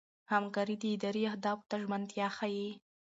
همکاري د ادارې اهدافو ته ژمنتیا ښيي.